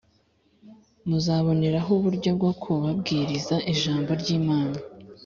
Muzaboneraho uburyo bwo kubabwiriza ijambo ryimana